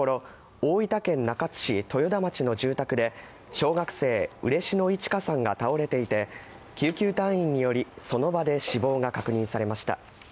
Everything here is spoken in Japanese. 大分県中津市豊田町の住宅で小学生、嬉野いち花さんが倒れていて救急隊員によりその場で死亡が確認されました。